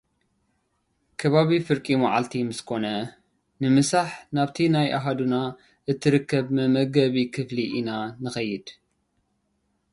ከባቢ ፍርቂ መዓልቲ ምስ ኮነ፡ ንምሳሕ ናብቲ ናይ ኣሃዱና እትርከብ መመገቢ ክፍሊ ኢና ንኸይድ፡፡